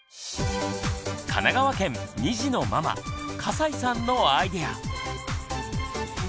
神奈川県２児のママ笠井さんのアイデア。